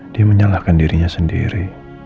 dia menyalahkan dirinya sendiri